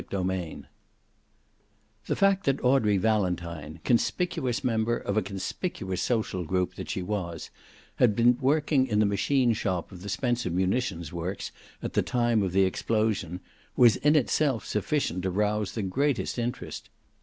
CHAPTER XLV The fact that Audrey Valentine, conspicuous member of a conspicuous social group that she was, had been working in the machine shop of the Spencer munitions works at the time of the explosion was in itself sufficient to rouse the greatest interest.